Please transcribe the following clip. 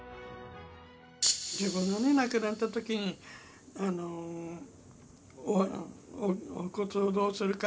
自分が亡くなったときに、お骨をどうするか。